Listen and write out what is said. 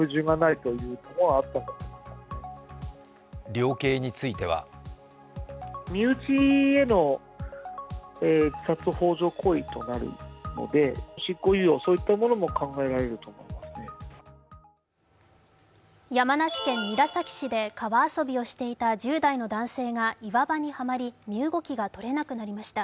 量刑については山梨県韮崎市で川遊びをしていた１０代の男性が岩場にはまり、身動きがとれなくなりました。